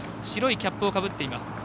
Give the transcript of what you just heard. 白いキャップをかぶっています。